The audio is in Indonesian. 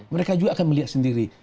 mereka juga akan melihat sendiri